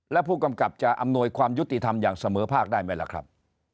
และผู้กำกับจะอำนวยความยุติธรรมอย่างเสมอภาคได้ไหมล่ะครับ